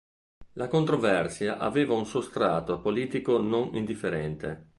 La controversia aveva un sostrato politico non indifferente.